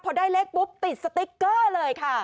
พอได้เลขปุ๊บติดสติ๊กเกอร์เลยค่ะ